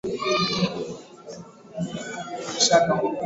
beno ndulu aliongoza hadi januari elfu mbili kumi na nane